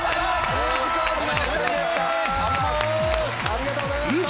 ありがとうございます！